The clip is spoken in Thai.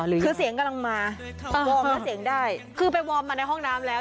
คือเสียงกำลังมาวอร์มแล้วเสียงได้คือไปวอร์มมาในห้องน้ำแล้ว